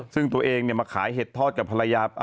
ซึ่งตัวเองมาขายเห็ดทอดกับภรรยา